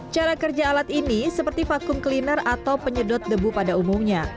cara kerja alat ini seperti vakum cleaner atau penyedot debu pada umumnya